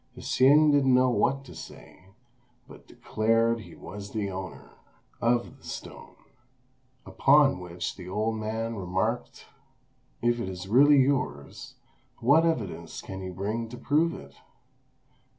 Hsing didn't know what to say, but declared he was the owner of the stone; upon which the old man remarked, "If it is really yours, what evidence can you bring to prove it?"